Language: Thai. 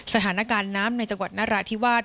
สถานการณ์น้ำในจังหวัดนราธิวาส